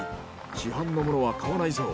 市販のものは買わないそう。